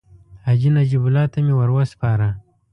حاجي نجیب الله ته مې ورو سپاره.